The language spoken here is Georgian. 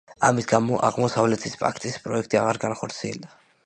ამის გამო „აღმოსავლეთის პაქტის“ პროექტი აღარ განხორციელდა.